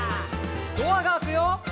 「ドアが開くよ」